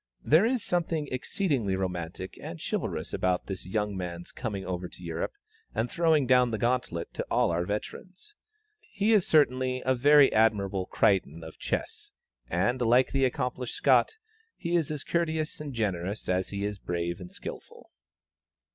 There is something exceedingly romantic and chivalrous about this young man's coming over to Europe and throwing down the gauntlet to all our veterans. He is certainly a very admirable Crichton of Chess, and, like the accomplished Scot, he is as courteous and generous as he is brave and skilful.